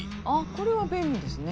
これは便利ですね。